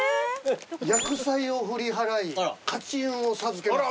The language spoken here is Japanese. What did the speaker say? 「厄災を振り払い勝ち運を授けます」